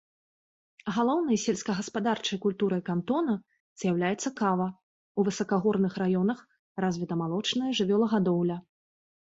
Галоўнай сельскагаспадарчай культурай кантона з'яўляецца кава, у высакагорных раёнах развіта малочная жывёлагадоўля.